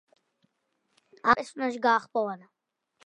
ამავე პერიოდში მან ერთ-ერთი პერსონაჟი გაახმოვანა.